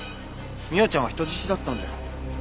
美央ちゃんは人質だったんだよ。